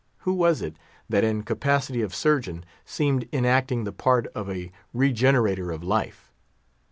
Who was it, that in capacity of Surgeon, seemed enacting the part of a Regenerator of life?